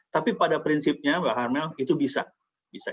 tapi pada prinsipnya mbak harmel itu bisa